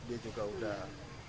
dia juga udah